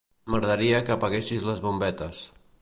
M'agradaria que apaguessis les bombetes.